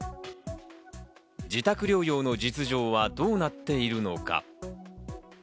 自宅療養の実情はどうなっているのか。